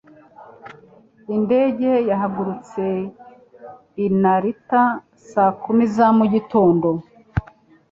Indege yahagurutse i Narita saa kumi za mu gitondo